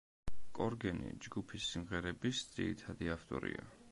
კორგენი ჯგუფის სიმღერების ძირითადი ავტორია.